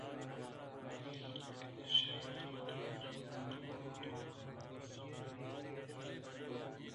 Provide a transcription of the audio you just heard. کہ ایشاں گرٛانیں بارے گون اَت ءُ شہ دگّ ءَ رَوَگ ءَ اِتنت